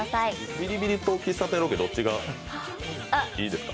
ビリビリと喫茶店ロケどっちがいいですか？